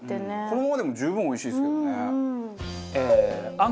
このままでも十分おいしいですけどね。